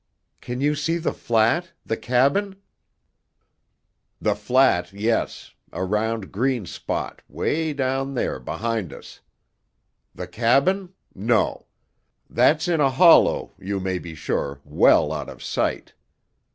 "Can you see the flat, the cabin?" "The flat, yes a round green spot, way down there behind us. The cabin? No. That's in a hollow, you may be sure, well out of sight.